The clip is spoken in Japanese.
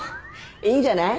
いいんじゃない。